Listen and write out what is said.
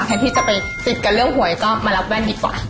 แทนที่จะไปติดกันเรื่องหวยก็มารับแว่นดีกว่า